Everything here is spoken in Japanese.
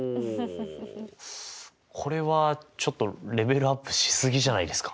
これはちょっとレベルアップし過ぎじゃないですか？